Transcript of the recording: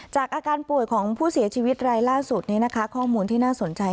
อาการป่วยของผู้เสียชีวิตรายล่าสุดนี้นะคะข้อมูลที่น่าสนใจ